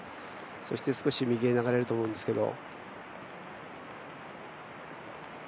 そして少し右へ流れると思うんですけど。